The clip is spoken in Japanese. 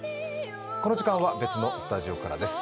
この時間は別のスタジオからです。